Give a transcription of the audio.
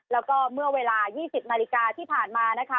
แล้วก็เมื่อเวลา๒๐นาฬิกาที่ผ่านมานะคะ